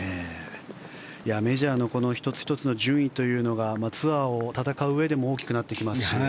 メジャーの１つ１つの順位というのがツアーを戦ううえでも大きくなってきますし。